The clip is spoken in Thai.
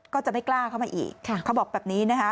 ก็จะไม่กล้าเข้ามาอีกเขาบอกแบบนี้นะคะ